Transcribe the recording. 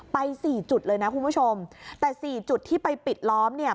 สี่จุดเลยนะคุณผู้ชมแต่สี่จุดที่ไปปิดล้อมเนี่ย